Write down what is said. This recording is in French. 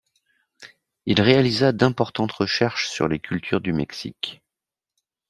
Il réalisa d'importantes recherches sur les cultures du Mexique.